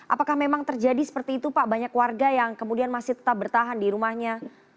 apakah memang terjadi seperti itu pak banyak warga yang kemudian masih tetap bertahan di rumahnya